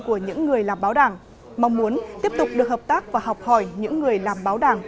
của những người làm báo đảng mong muốn tiếp tục được hợp tác và học hỏi những người làm báo đảng